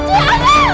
jepat ke kamar